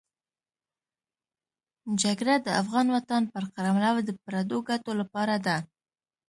جګړه د افغان وطن پر قلمرو د پردو ګټو لپاره ده.